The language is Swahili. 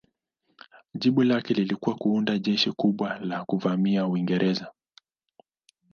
Jibu lake lilikuwa kuandaa jeshi kubwa la kuvamia Uingereza.